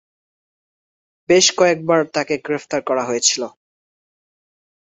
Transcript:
বেশ কয়েকবার তাকে গ্রেফতার করা হয়েছিল।